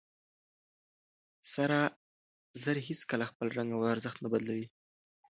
سره زر هيڅکله خپل رنګ او ارزښت نه بدلوي.